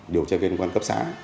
điều tra viên cơ quan cấp xã